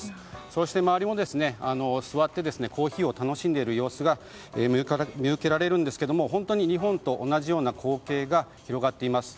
そして、周りも座ってコーヒーを楽しんでいる様子が見受けられるんですが日本と同じような光景が広がっています。